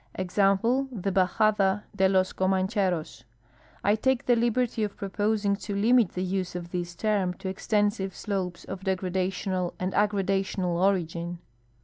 Example, the Bajada de los Comancheros. I take the liberty of proposing to limit the use of this term to extensive slopes of degradational and aggradational origin.